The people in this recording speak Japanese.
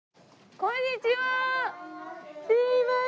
こんにちは。